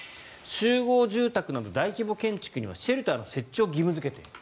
集合住宅など大規模建築物にはシェルターの設置を義務付けている。